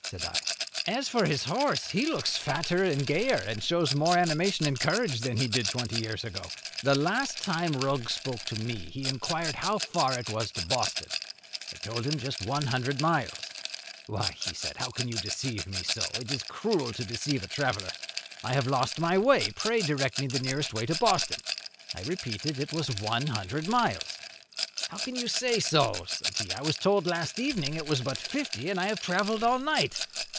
said I. "As for his horse, he looks fatter and gayer, and shows more animation and courage, than he did twenty years ago. The last time Rugg spoke to me he inquired how far it was to Boston. I told him just one hundred miles. 'Why,' said he, 'how can you deceive me so? It is cruel to deceive a traveller. I have lost my way. Pray direct me the nearest way to Boston.' I repeated it was one hundred miles. 'How can you say so?' said he. 'I was told last evening it was but fifty, and I have travelled all night.'